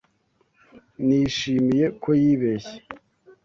Nishimiye ko yibeshye.